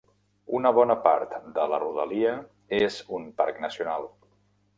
Una bona part de la rodalia és un parc nacional.